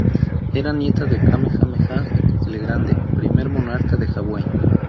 Era nieta de Kamehameha El Grande, primer monarca de Hawai.